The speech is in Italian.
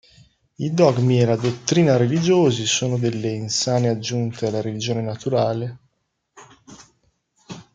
I dogmi e la dottrina religiosi sono delle insane aggiunte alla religione naturale.